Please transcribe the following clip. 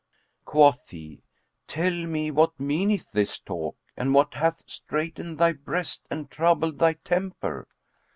Quoth he, "Tell me what meaneth this talk and what hath straitened thy breast and troubled thy temper."